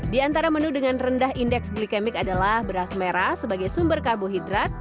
di antara menu dengan rendah indeks glikemik adalah beras merah sebagai sumber karbohidrat